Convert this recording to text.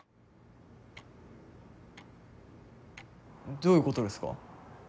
どういうことですか？